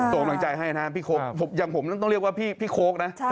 ส่งกำลังใจให้นะพี่โค้กอย่างผมต้องเรียกว่าพี่โค้กนะ